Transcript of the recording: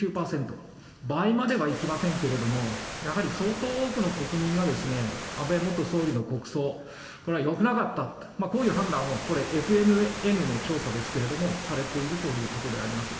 倍まではいきませんけれども、やはり相当多くの国民がですね、安倍元総理の国葬、これはよくなかった、こういう判断をこれ、ＦＮＮの調査ですけれども、されているということであります。